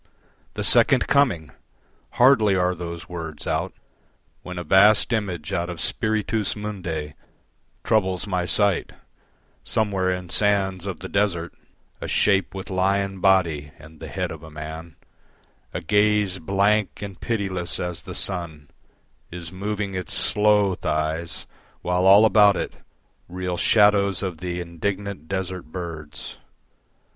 The Second Coming! Hardly are those words out When a vast image out of Spiritus Mundi Troubles my sight: somewhere in sands of the desert A shape with lion body and the head of a man, A gaze blank and pitiless as the sun, Is moving its slow thighs, while all about it Reel shadows of the indignant desert birds.